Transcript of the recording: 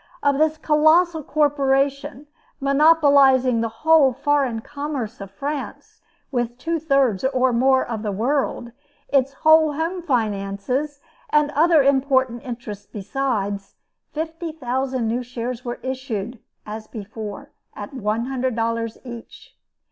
Of this colossal corporation, monopolizing the whole foreign commerce of France with two thirds or more of the world, its whole home finances, and other important interests besides, fifty thousand new shares were issued, as before, at $100 each.